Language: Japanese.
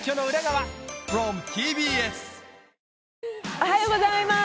おはようございます。